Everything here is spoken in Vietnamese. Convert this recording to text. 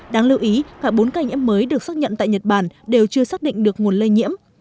đáng lưu ý cả bốn ca nhiễm mới được xác nhận tại nhật bản đều chưa xác định được nguồn lây nhiễm